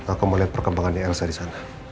aku mau lihat perkembangan di elsa di sana